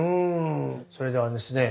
それではですね